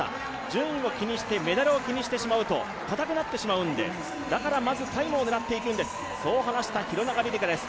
順位を気にして、メダルを気にしてしまうと固くなってしまうのでだからまずタイムを狙っていくんですと話した廣中璃梨佳です。